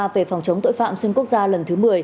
về phòng chống tội phạm xuyên quốc gia lần thứ một mươi